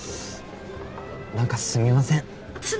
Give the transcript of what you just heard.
何かすみませんっ